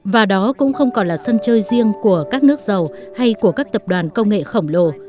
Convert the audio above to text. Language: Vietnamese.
và đó cũng không còn là sân chơi riêng của các nước giàu hay của các tập đoàn công nghệ khổng lồ